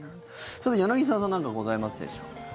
さて、柳澤さん何かございますでしょうか。